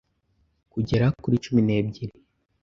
kugera kuri cumi nebyiri